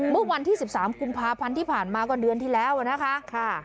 เมื่อวันที่๑๓กุมภาพันธ์ที่ผ่านมาก็เดือนที่แล้วนะคะ